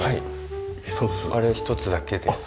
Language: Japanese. あれ１つだけです。